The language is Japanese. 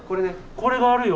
これがあるよ。